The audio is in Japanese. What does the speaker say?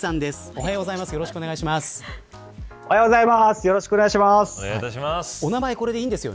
おはようございます。